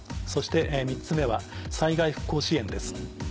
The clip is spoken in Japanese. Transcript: そして３つ目は災害復興支援です。